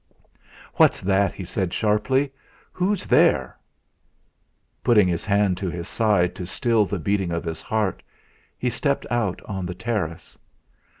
"What's that?" he said sharply, "who's there?" Putting his hand to his side to still the beating of his heart, he stepped out on the terrace.